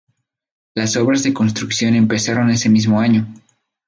Las obras de construcción empezaron ese mismo año.